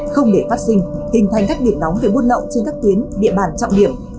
không để phát sinh hình thành các điểm nóng về buôn lậu trên các tuyến địa bàn trọng điểm